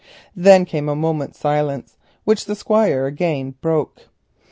Then came a moment's silence, which the Squire again broke.